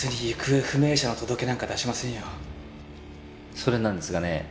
それなんですがね